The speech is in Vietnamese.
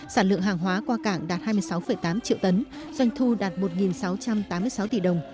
sản lượng hàng hóa qua cảng đạt hai mươi sáu tám triệu tấn doanh thu đạt một sáu trăm tám mươi sáu tỷ đồng